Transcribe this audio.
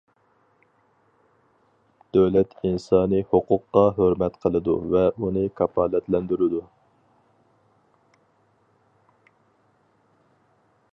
دۆلەت ئىنسانىي ھوقۇققا ھۆرمەت قىلىدۇ ۋە ئۇنى كاپالەتلەندۈرىدۇ.